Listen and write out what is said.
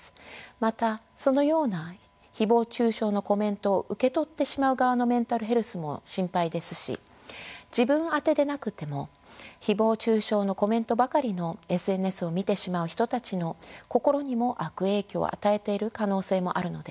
またそのような誹謗中傷のコメントを受け取ってしまう側のメンタルヘルスも心配ですし自分あてでなくても誹謗中傷のコメントばかりのＳＮＳを見てしまう人たちの心にも悪影響を与えている可能性もあるのです。